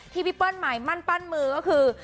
พี่เปิ้ลใหม่มั่นปั้นมือก็คือ